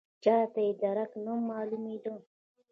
چاته یې درک نه معلومېده.